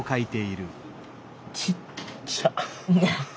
ちっちゃ。